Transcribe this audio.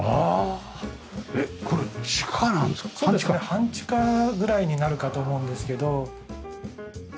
半地下ぐらいになるかと思うんですけど。